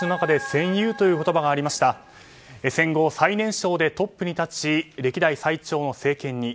戦後最年少でトップに立ち歴代最長の政権に。